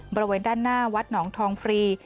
บริเวณด้านหน้าวัดหนองทองฟรี